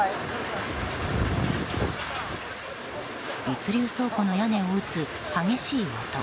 物流倉庫の屋根を打つ激しい音。